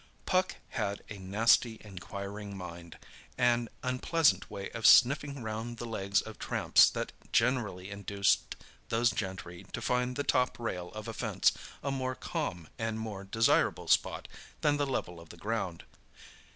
Puck had a nasty, inquiring mind—an unpleasant way of sniffing round the legs of tramps that generally induced those gentry to find the top rail of a fence a more calm and more desirable spot than the level of the ground.